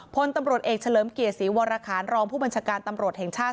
พลตำรวจเอกเฉลิมเกียรติศรีวรคารรองผู้บัญชาการตำรวจแห่งชาติ